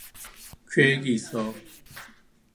계획이 있어.